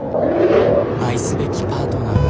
愛すべきパートナーが。